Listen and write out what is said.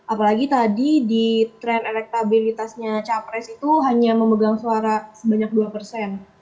apalagi tadi di tren elektabilitasnya capres itu hanya memegang suara sebanyak dua persen